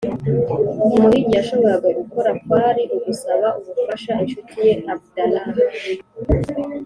umuhigi yashoboraga gukora kwari ugusaba ubufasha inshuti ye abdallah.